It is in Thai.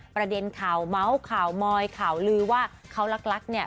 ประเด็นข่าวเมาส์ข่าวมอยข่าวลือว่าเขารักเนี่ย